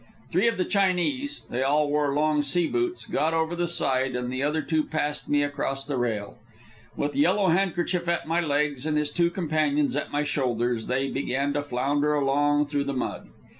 Three of the Chinese they all wore long sea boots got over the side, and the other two passed me across the rail. With Yellow Handkerchief at my legs and his two companions at my shoulders, they began to flounder along through the mud.